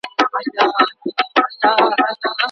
قرغه بې اوبو نه ده.